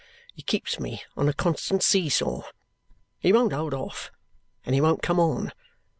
He keeps me on a constant see saw. He won't hold off, and he won't come on.